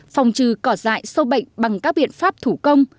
phòng trừ cỏ dại sâu bệnh bằng các biện pháp thủ công